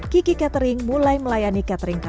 kiki catering mulai melayani bisnis untuk jadinya pernikahan